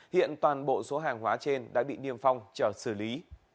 hiện toàn bộ số hàng hóa trên đã bị niêm phong chờ xử lý